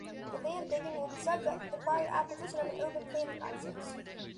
The land digging will be subject to the prior acquisition of an urban planning license.